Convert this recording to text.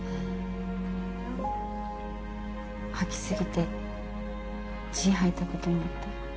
吐き過ぎて血吐いたこともあった。